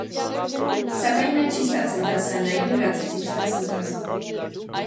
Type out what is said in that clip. Սակայն նա չի ստացել դասարանային լրացուցիչ դասընթաց։